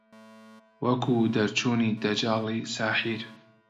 وەکوو دەرچوونی دەجاڵی ساحیر